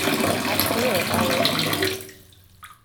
I feel it all over me!